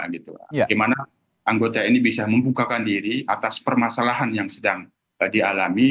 gimana anggota ini bisa membukakan diri atas permasalahan yang terjadi